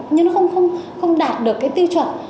nhưng nó không đạt được cái tiêu chuẩn